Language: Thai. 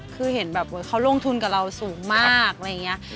คือเห็นแบบเขาลงทุนกับเราสูงมากอะไรอย่างนี้